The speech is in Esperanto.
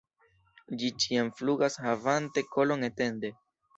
Ĝi ĉiam flugas havante kolon etende.